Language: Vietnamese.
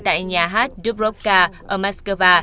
tại nhà hát dubrovka ở moscow